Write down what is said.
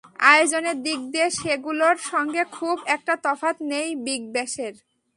আয়োজনের দিক দিয়ে সেগুলোর সঙ্গে খুব একটা তফাত নেই বিগ ব্যাশের।